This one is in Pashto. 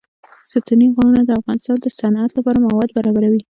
ستوني غرونه د افغانستان د صنعت لپاره مواد برابروي.